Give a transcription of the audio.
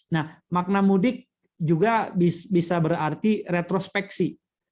nah makna mudik juga bisa berarti retrospeksi